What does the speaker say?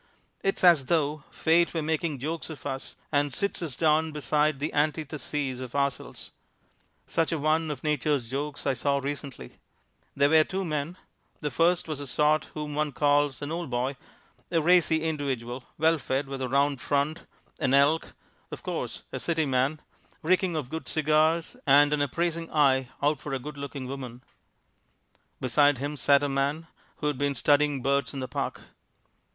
It is as though Fate were making jokes of us and sits us down beside the antitheses of ourselves. Such a one of Nature's jokes I saw recently. They were two men. The first was the sort whom one calls an "old boy." A racy individual, well fed with a round front, an Elk, of course, a city man, reeking of good cigars, and an appraising eye out for a good looking woman. Beside him sat a man who had been studying birds in the Park.